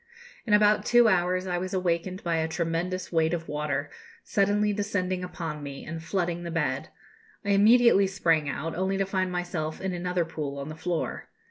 In about two hours I was awakened by a tremendous weight of water suddenly descending upon me and flooding the bed. I immediately sprang out, only to find myself in another pool on the floor.